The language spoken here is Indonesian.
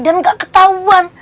dan gak ketahuan